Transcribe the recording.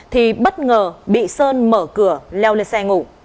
thì bất ngờ bị sơn mở cửa leo lên xe ngủ